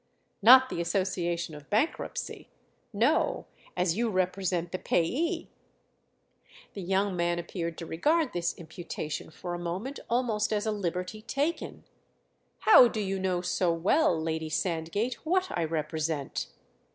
"Not the association of bankruptcy—no; as you represent the payee!" The young man appeared to regard this imputation for a moment almost as a liberty taken. "How do you know so well, Lady Sandgate, what I represent?"